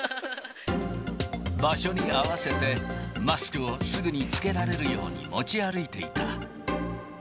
場所に合わせて、マスクをすぐに着けられるように持ち歩いていた。